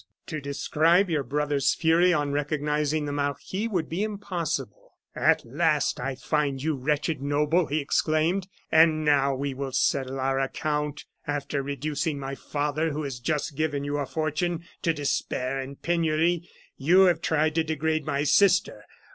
"To describe your brother's fury on recognizing the marquis would be impossible. "'At last I find you, wretched noble!' he exclaimed, 'and now we will settle our account! After reducing my father, who has just given you a fortune, to despair and penury, you have tried to degrade my sister.